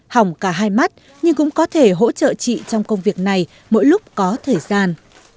hỏng cả hai mắt nhưng cũng có thể hỗ trợ chị trong công việc này mỗi lúc có thời gian